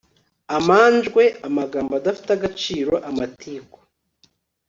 amanjwe amagambo adafite agaciro, amatiku